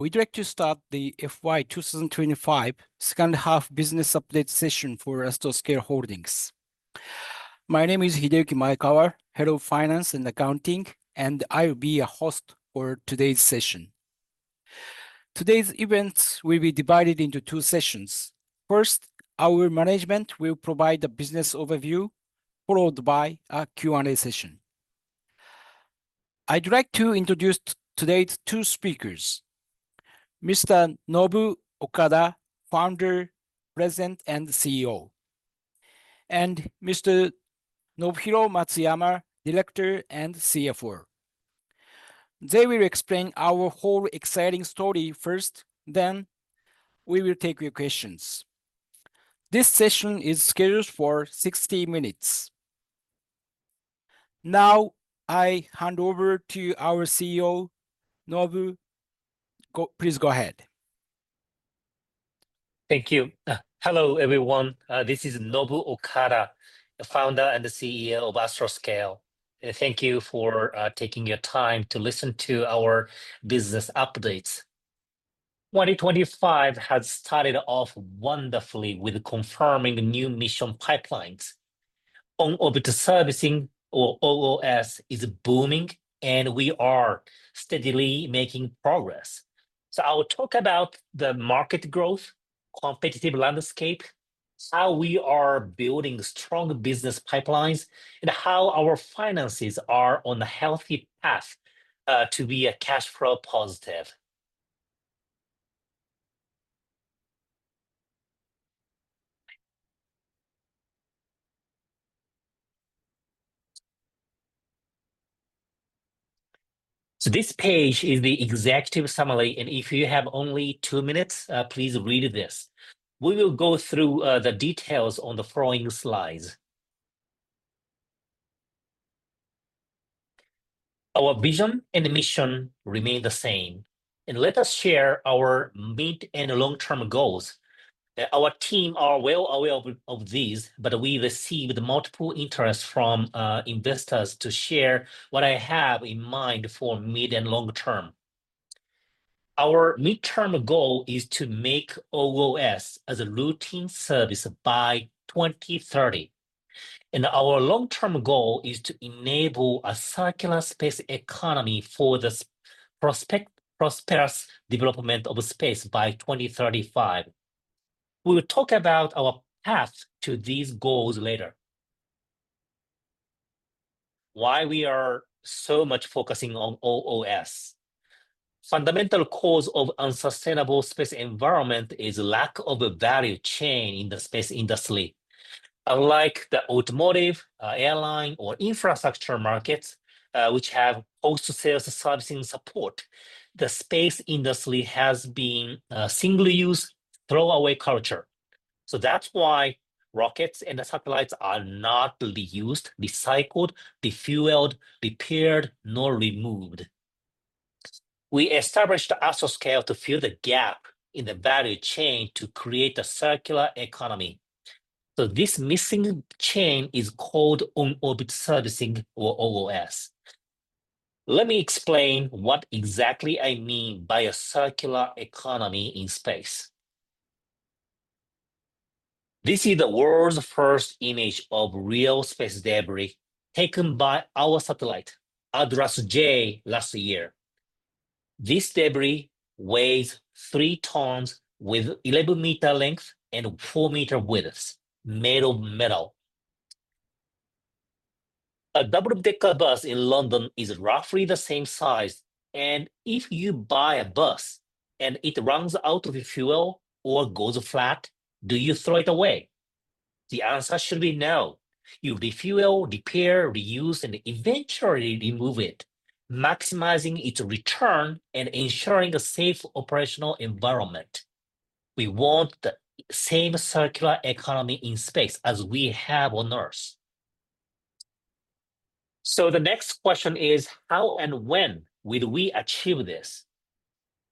We'd like to start the FY 2025 second half business update session for Astroscale Holdings. My name is Hideki Maekawa, Head of Finance and Accounting, and I will be your host for today's session. Today's event will be divided into two sessions. First, our management will provide a business overview, followed by a Q&A session. I'd like to introduce today's two speakers, Mr. Nobu Okada, Founder, President, and CEO, and Mr. Nobuhiro Matsuyama, Director and CFO. They will explain our whole exciting story first, then we will take your questions. This session is scheduled for 60 minutes. Now, I hand over to our CEO, Nobu. Please go ahead. Thank you. Hello, everyone. This is Nobu Okada, the Founder and the CEO of Astroscale. Thank you for taking your time to listen to our business updates. 2025 has started off wonderfully with confirming new mission pipelines. On-orbit servicing, or OOS, is booming, and we are steadily making progress. I will talk about the market growth, competitive landscape, how we are building strong business pipelines, and how our finances are on a healthy path to be cash flow positive. This page is the executive summary, and if you have only two minutes, please read this. We will go through the details on the following slides. Our vision and mission remain the same, and let us share our mid and long-term goals. Our team are well aware of these, but we've received multiple interests from investors to share what I have in mind for mid and long term. Our midterm goal is to make OOS as a routine service by 2030, and our long-term goal is to enable a circular space economy for the prosperous development of space by 2035. We will talk about our path to these goals later. Why we are so much focusing on OOS. Fundamental cause of unsustainable space environment is lack of a value chain in the space industry. Unlike the automotive, airline, or infrastructure markets, which have post-sales servicing support, the space industry has been a single use, throwaway culture. That's why rockets and satellites are not reused, recycled, refueled, repaired, nor removed. We established Astroscale to fill the gap in the value chain to create a circular economy. This missing chain is called on-orbit servicing, or OOS. Let me explain what exactly I mean by a circular economy in space. This is the world's first image of real space debris taken by our satellite, ADRAS-J, last year. This debris weighs 3 tons with 11 m length and 4 m width. Made of metal. A double-decker bus in London is roughly the same size, and if you buy a bus and it runs out of fuel or goes flat, do you throw it away? The answer should be no. You refuel, repair, reuse, and eventually remove it, maximizing its return and ensuring a safe operational environment. We want the same circular economy in space as we have on Earth. The next question is, how and when will we achieve this?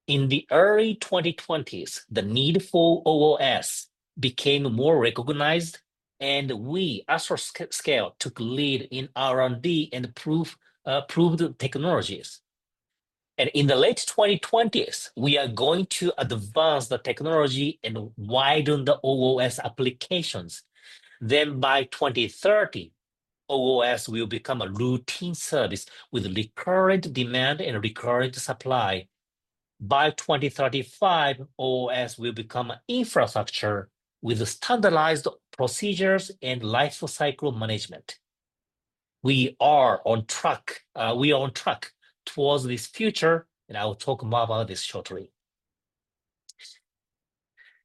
In the early 2020s, the need for OOS became more recognized, and we, Astroscale, took lead in R&D and proved the technologies. In the late 2020s, we are going to advance the technology and widen the OOS applications. By 2030, OOS will become a routine service with recurrent demand and recurrent supply. By 2035, OOS will become infrastructure with standardized procedures and lifecycle management. We are on track towards this future, and I will talk more about this shortly.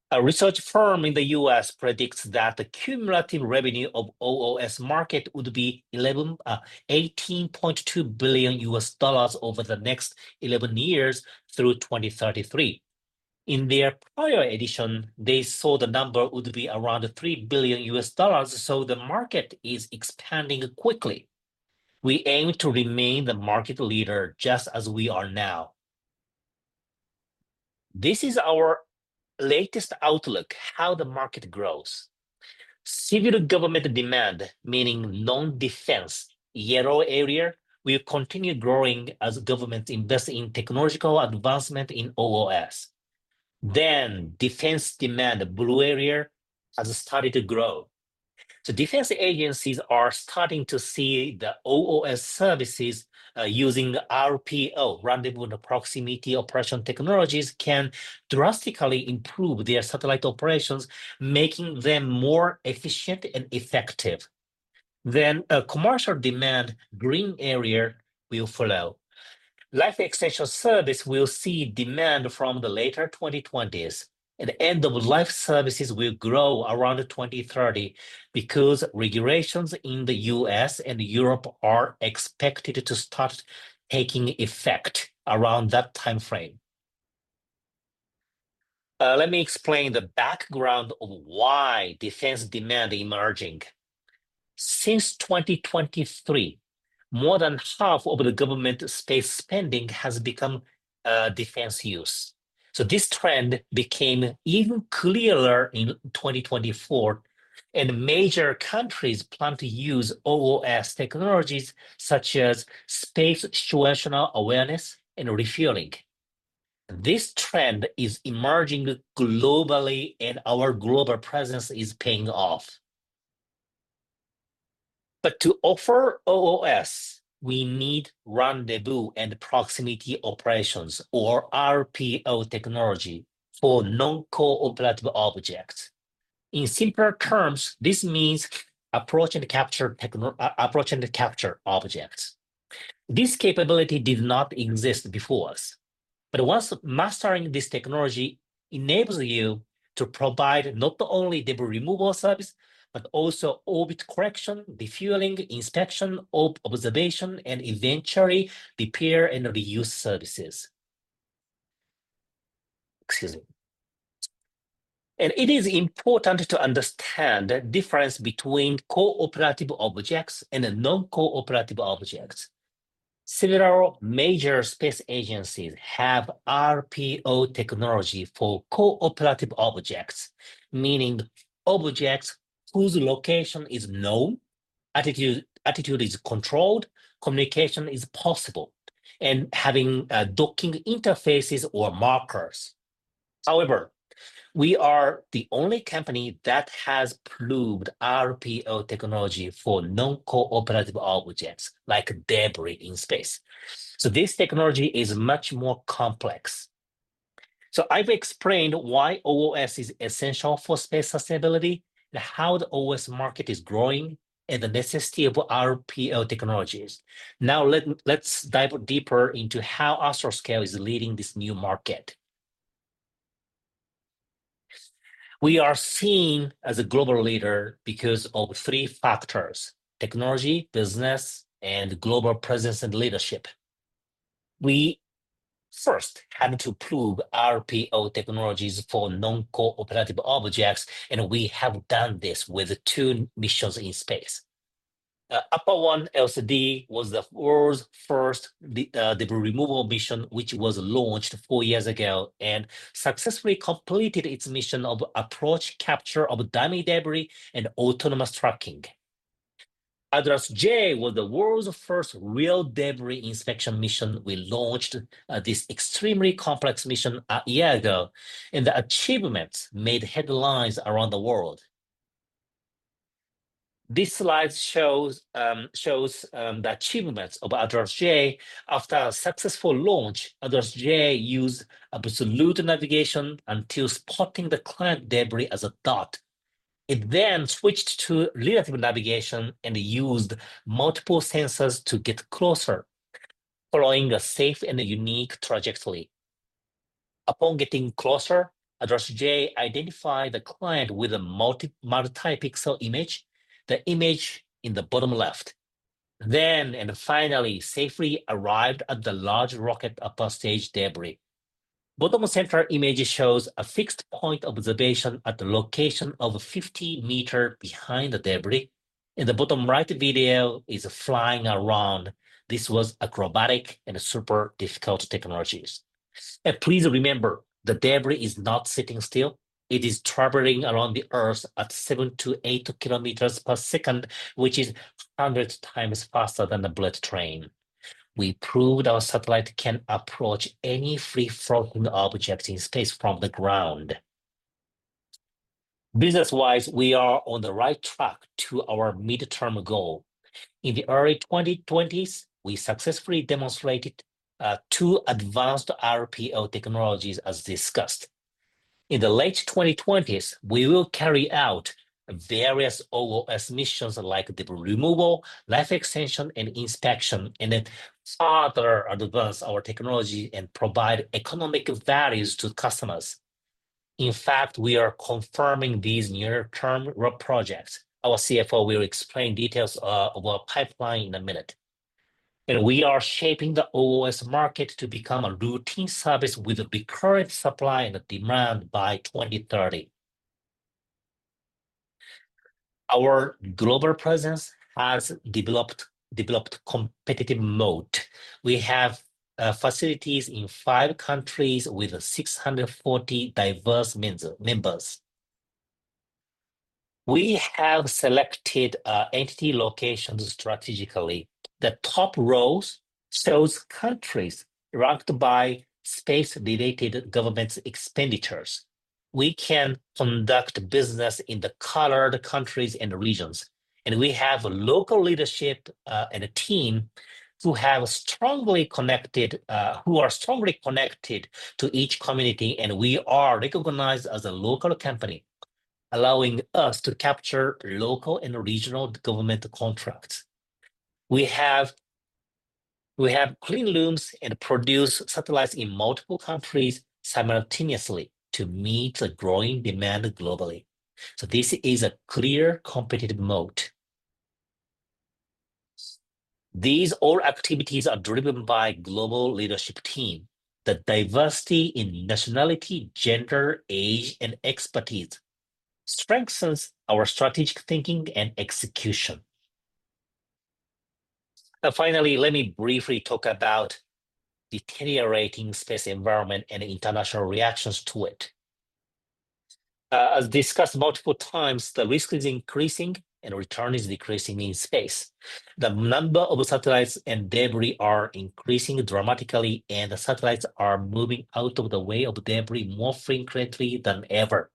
A research firm in the U.S. predicts that the cumulative revenue of OOS market would be $18.2 billion over the next 11 years through 2033. In their prior edition, they saw the number would be around $3 billion, so the market is expanding quickly. We aim to remain the market leader just as we are now. This is our latest outlook, how the market grows. Civil government demand, meaning non-defense, yellow area, will continue growing as governments invest in technological advancement in OOS. Defense demand, blue area, has started to grow. Defense agencies are starting to see the OOS services using the RPO, rendezvous and proximity operations technologies, can drastically improve their satellite operations, making them more efficient and effective. A commercial demand, green area, will follow. Life extension service will see demand from the later 2020s, and end of life services will grow around 2030 because regulations in the U.S. and Europe are expected to start taking effect around that timeframe. Let me explain the background of why defense demand emerging. Since 2023, more than half of the government space spending has become defense use. This trend became even clearer in 2024, and major countries plan to use OOS technologies such as space situational awareness and refueling. This trend is emerging globally and our global presence is paying off. To offer OOS, we need rendezvous and proximity operations, or RPO technology, for non-cooperative objects. In simpler terms, this means approach and capture objects. This capability did not exist before us. Once mastering this technology enables you to provide not only debris removal service, but also orbit correction, defueling, inspection, observation, and eventually repair and reuse services. Excuse me. It is important to understand the difference between cooperative objects and non-cooperative objects. Several major space agencies have RPO technology for cooperative objects, meaning objects whose location is known, attitude is controlled, communication is possible, and having docking interfaces or markers. However, we are the only company that has proved RPO technology for non-cooperative objects, like debris in space. This technology is much more complex. I've explained why OOS is essential for space sustainability and how the OOS market is growing and the necessity of RPO technologies. Now let's dive deeper into how Astroscale is leading this new market. We are seen as a global leader because of three factors: technology, business, and global presence and leadership. We first had to prove RPO technologies for non-cooperative objects, and we have done this with two missions in space. APOLLO-1 LCD was the world's first debris removal mission, which was launched four years ago and successfully completed its mission of approach capture of dummy debris and autonomous tracking. ADRAS-J was the world's first real debris inspection mission. We launched this extremely complex mission a year ago, and the achievement made headlines around the world. This slide shows the achievements of ADRAS-J. After a successful launch, ADRAS-J used absolute navigation until spotting the client debris as a dot. It then switched to relative navigation and used multiple sensors to get closer, following a safe and a unique trajectory. Upon getting closer, ADRAS-J identified the client with a multi-pixel image, the image in the bottom left. Then, and finally, safely arrived at the large rocket upper stage debris. Bottom center image shows a fixed point observation at the location of a 50-meter behind the debris, and the bottom right video is flying around. This was acrobatic and super difficult technologies. Please remember, the debris is not sitting still. It is traveling around the Earth at 7-8 km/s, which is 100 times faster than the bullet train. We proved our satellite can approach any free floating object in space from the ground. Business-wise, we are on the right track to our midterm goal. In the early 2020s, we successfully demonstrated two advanced RPO technologies as discussed. In the late 2020s, we will carry out various OOS missions like debris removal, life extension and inspection, and then further advance our technology and provide economic values to customers. In fact, we are confirming these near-term projects. Our CFO will explain details of our pipeline in a minute. We are shaping the OOS market to become a routine service with a recurrent supply and demand by 2030. Our global presence has developed competitive moat. We have facilities in five countries with 640 diverse members. We have selected entity locations strategically. The top row shows countries ranked by space-related government's expenditures. We can conduct business in the colored countries and regions, and we have a local leadership and a team who are strongly connected to each community, and we are recognized as a local company, allowing us to capture local and regional government contracts. We have clean rooms and produce satellites in multiple countries simultaneously to meet a growing demand globally. This is a clear competitive moat. These all activities are driven by global leadership team. The diversity in nationality, gender, age, and expertise strengthens our strategic thinking and execution. Finally, let me briefly talk about deteriorating space environment and international reactions to it. As discussed multiple times, the risk is increasing and return is decreasing in space. The number of satellites and debris are increasing dramatically, and the satellites are moving out of the way of debris more frequently than ever.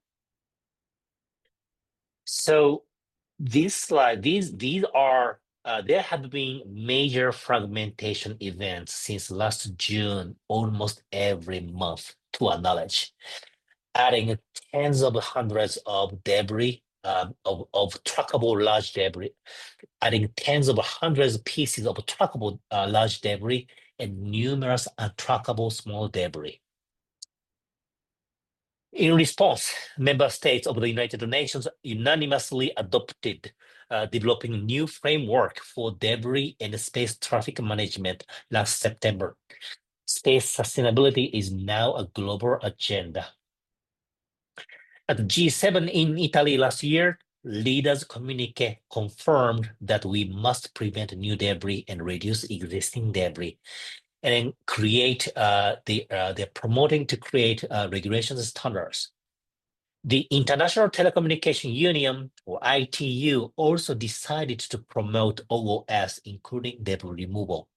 There have been major fragmentation events since last June, almost every month, to our knowledge, adding tens of hundreds of pieces of trackable large debris and numerous untrackable small debris. In response, member states of the United Nations unanimously adopted developing new framework for debris and space traffic management last September. Space sustainability is now a global agenda. At the G7 in Italy last year, leaders' communique confirmed that we must prevent new debris and reduce existing debris, and they're promoting to create regulations standards. The International Telecommunication Union, or ITU, also decided to promote OOS, including debris removal.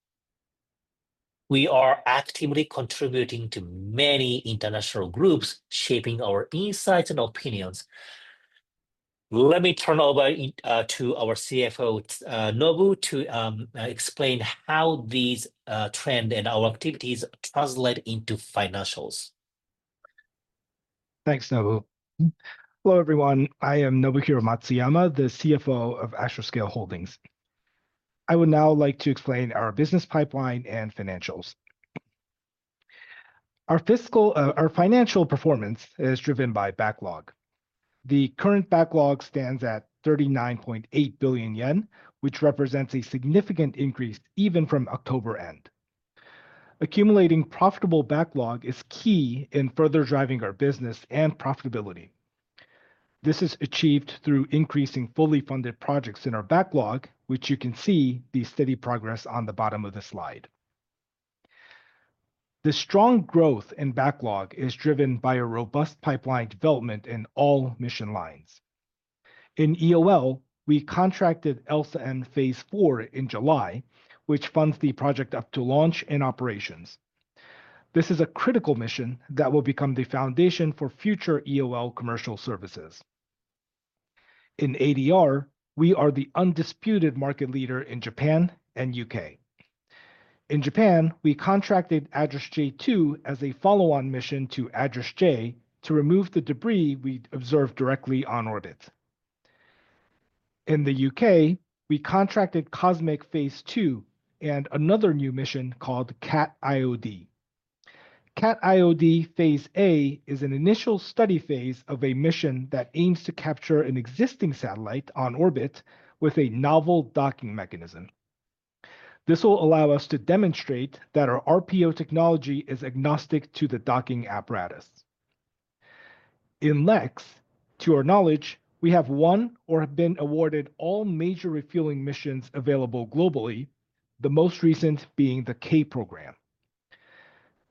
We are actively contributing to many international groups, shaping our insights and opinions. Let me turn over to our CFO, Nobu, to explain how these trend and our activities translate into financials. Thanks, Nobu. Hello, everyone. I am Nobuhiro Matsuyama, the CFO of Astroscale Holdings. I would now like to explain our business pipeline and financials. Our financial performance is driven by backlog. The current backlog stands at 39.8 billion yen, which represents a significant increase even from October end. Accumulating profitable backlog is key in further driving our business and profitability. This is achieved through increasing fully funded projects in our backlog, which you can see the steady progress on the bottom of the slide. The strong growth and backlog is driven by a robust pipeline development in all mission lines. In EOL, we contracted ELSA-M phase IV in July, which funds the project up to launch and operations. This is a critical mission that will become the foundation for future EOL commercial services. In ADR, we are the undisputed market leader in Japan and U.K. In Japan, we contracted ADRAS-J2 as a follow-on mission to ADRAS-J to remove the debris we observed directly on orbit. In the U.K., we contracted COSMIC phase II and another new mission called Cat IOD. Cat IOD phase A is an initial study phase of a mission that aims to capture an existing satellite on orbit with a novel docking mechanism. This will allow us to demonstrate that our RPO technology is agnostic to the docking apparatus. In LEX, to our knowledge, we have won or have been awarded all major refueling missions available globally, the most recent being the K Program.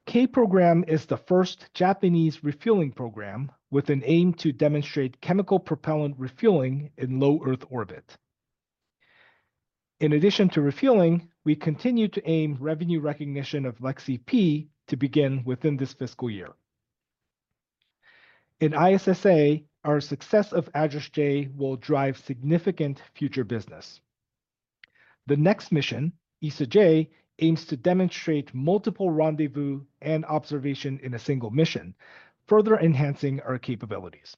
K Program is the first Japanese refueling program with an aim to demonstrate chemical propellant refueling in low Earth orbit. In addition to refueling, we continue to aim revenue recognition of LEX-CP to begin within this fiscal year. In ISSA, our success of ADRAS-J will drive significant future business. The next mission, ISSA-J, aims to demonstrate multiple rendezvous and observation in a single mission, further enhancing our capabilities.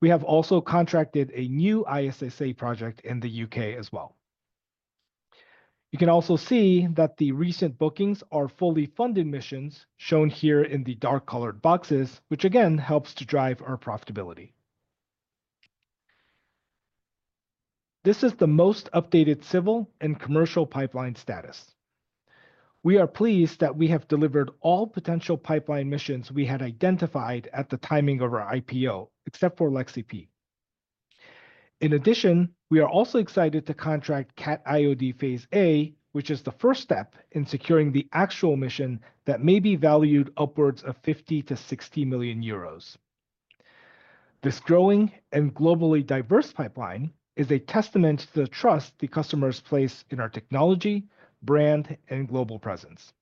We have also contracted a new ISSA project in the U.K. as well. You can also see that the recent bookings are fully funded missions, shown here in the dark colored boxes, which again helps to drive our profitability. This is the most updated civil and commercial pipeline status. We are pleased that we have delivered all potential pipeline missions we had identified at the timing of our IPO, except for LEXI-P. In addition, we are also excited to contract CAT IOD phase A, which is the first step in securing the actual mission that may be valued upwards of 50 million-60 million euros. This growing and globally diverse pipeline is a testament to the trust the customers place in our technology, brand, and global presence.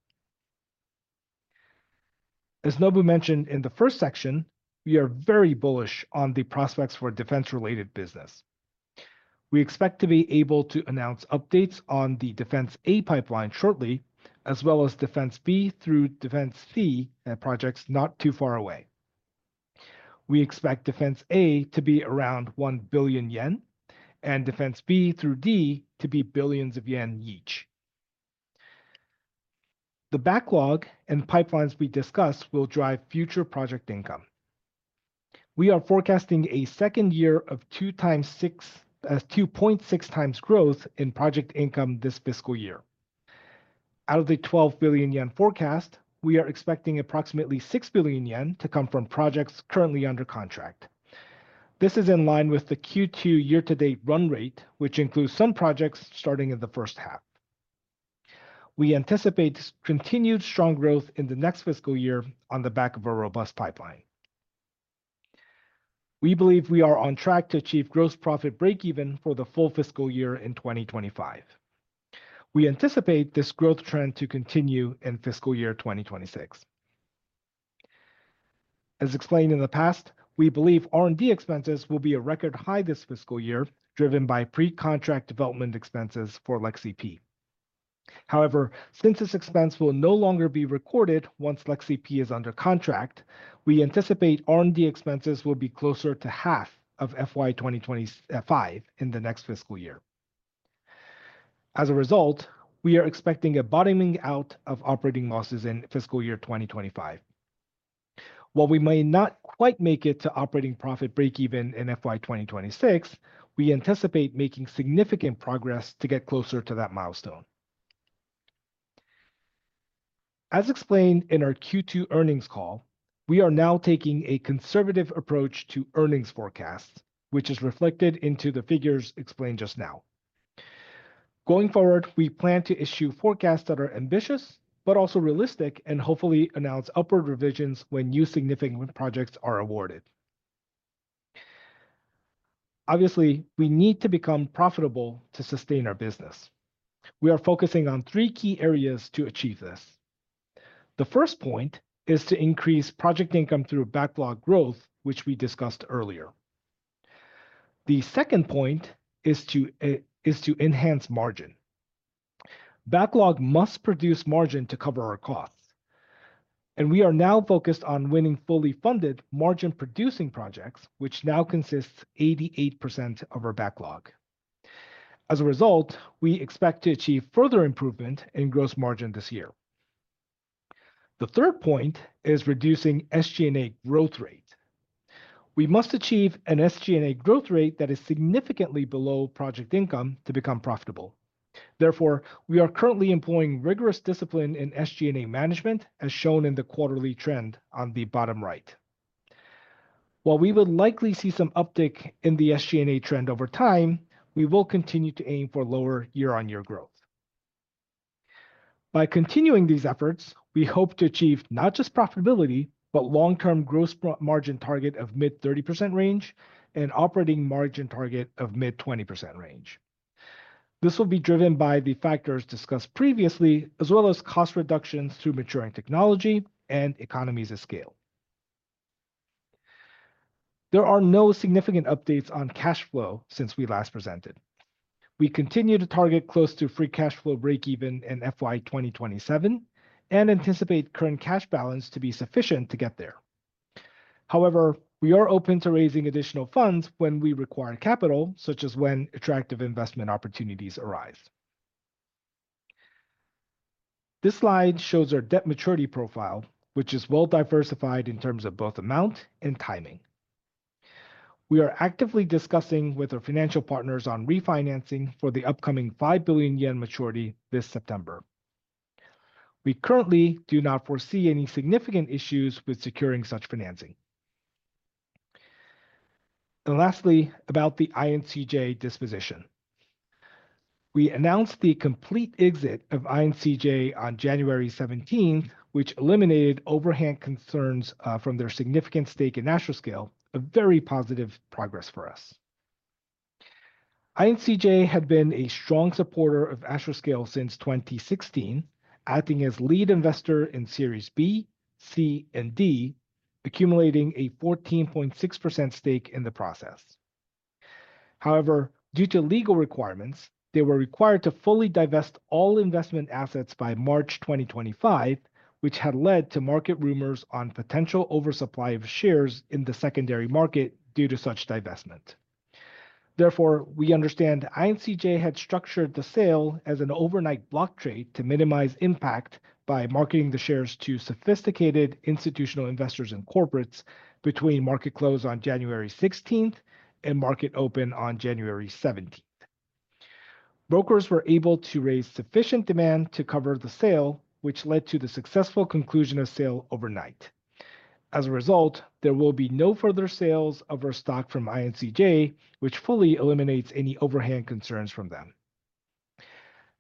As Nobu mentioned in the first section, we are very bullish on the prospects for defense-related business. We expect to be able to announce updates on the Defense A pipeline shortly, as well as Defense B through Defense C projects not too far away. We expect Defense A to be around 1 billion yen, and Defense B through D to be billions of JPY each. The backlog and pipelines we discussed will drive future project income. We are forecasting a second year of 2.6x growth in project income this fiscal year. Out of the 12 billion yen forecast, we are expecting approximately 6 billion yen to come from projects currently under contract. This is in line with the Q2 year-to-date run rate, which includes some projects starting in the first half. We anticipate continued strong growth in the next fiscal year on the back of a robust pipeline. We believe we are on track to achieve gross profit breakeven for the full fiscal year in 2025. We anticipate this growth trend to continue in fiscal year 2026. As explained in the past, we believe R&D expenses will be a record high this fiscal year, driven by pre-contract development expenses for LEXI-P. However, since this expense will no longer be recorded once LEXI-P is under contract, we anticipate R&D expenses will be closer to half of FY 2025 in the next fiscal year. As a result, we are expecting a bottoming out of operating losses in fiscal year 2025. While we may not quite make it to operating profit breakeven in FY 2026, we anticipate making significant progress to get closer to that milestone. As explained in our Q2 earnings call, we are now taking a conservative approach to earnings forecasts, which is reflected into the figures explained just now. Going forward, we plan to issue forecasts that are ambitious but also realistic, and hopefully announce upward revisions when new significant projects are awarded. Obviously, we need to become profitable to sustain our business. We are focusing on three key areas to achieve this. The first point is to increase project income through backlog growth, which we discussed earlier. The second point is to enhance margin. Backlog must produce margin to cover our costs. We are now focused on winning fully funded margin-producing projects, which now consists 88% of our backlog. As a result, we expect to achieve further improvement in gross margin this year. The third point is reducing SG&A growth rate. We must achieve an SG&A growth rate that is significantly below project income to become profitable. Therefore, we are currently employing rigorous discipline in SG&A management, as shown in the quarterly trend on the bottom right. While we will likely see some uptick in the SG&A trend over time, we will continue to aim for lower year-on-year growth. By continuing these efforts, we hope to achieve not just profitability, but long-term gross margin target of mid-30% range and operating margin target of mid-20% range. This will be driven by the factors discussed previously, as well as cost reductions through maturing technology and economies of scale. There are no significant updates on cash flow since we last presented. We continue to target close to free cash flow breakeven in FY 2027 and anticipate current cash balance to be sufficient to get there. However, we are open to raising additional funds when we require capital, such as when attractive investment opportunities arise. This slide shows our debt maturity profile, which is well-diversified in terms of both amount and timing. We are actively discussing with our financial partners on refinancing for the upcoming 5 billion yen maturity this September. We currently do not foresee any significant issues with securing such financing. Lastly, about the INCJ disposition. We announced the complete exit of INCJ on January 17th, which eliminated overhang concerns from their significant stake in Astroscale, a very positive progress for us. INCJ had been a strong supporter of Astroscale since 2016, acting as lead investor in Series B, C, and D, accumulating a 14.6% stake in the process. However, due to legal requirements, they were required to fully divest all investment assets by March 2025, which had led to market rumors on potential oversupply of shares in the secondary market due to such divestment. Therefore, we understand INCJ had structured the sale as an overnight block trade to minimize impact by marketing the shares to sophisticated institutional investors and corporates between market close on January 16th and market open on January 17th. Brokers were able to raise sufficient demand to cover the sale, which led to the successful conclusion of sale overnight. As a result, there will be no further sales of our stock from INCJ, which fully eliminates any overhang concerns from them.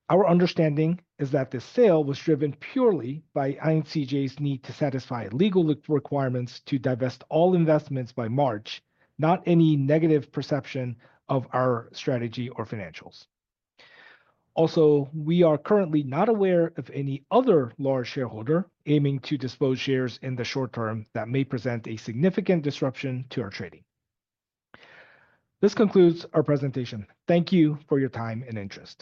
Our understanding is that this sale was driven purely by INCJ's need to satisfy legal requirements to divest all investments by March, not any negative perception of our strategy or financials. We are currently not aware of any other large shareholder aiming to dispose shares in the short term that may present a significant disruption to our trading. This concludes our presentation. Thank you for your time and interest.